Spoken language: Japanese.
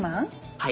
はい。